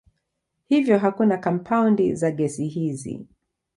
Hivyo hakuna kampaundi za gesi hizi.